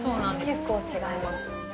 結構違います。